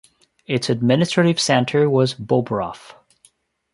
Its administrative centre was Bobrov.